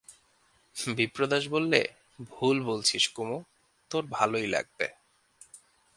বিপ্রদাস বললে, ভুল বলছিস কুমু, তোর ভালোই লাগবে।